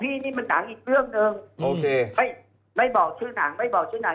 พอไม่อีกวันก็ไม่ยอมมาบอกว่าไปเวียดตาม